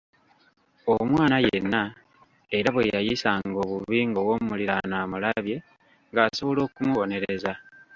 Omwana yenna era bwe yayisanga obubi ng’ow’omuliraano amulabye ng’asobola okumubonereza.